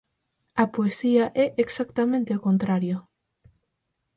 A poesía é exactamente o contrario"".